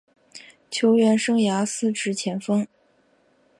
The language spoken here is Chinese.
球员生涯司职前锋。